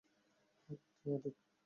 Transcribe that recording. হ্যাঁঁ, তা ঠিক।